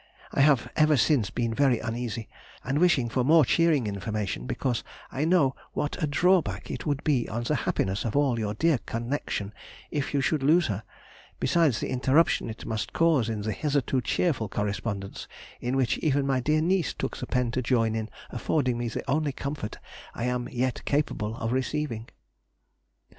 I have ever since been very uneasy, and wishing for more cheering information, because I know what a drawback it would be on the happiness of all your dear connection if you should lose her, besides the interruption it must cause in the hitherto cheerful correspondence in which even my dear niece took the pen to join in affording me the only comfort I am yet capable of receiving....